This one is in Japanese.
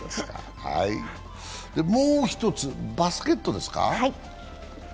もう１つ、バスケットですか？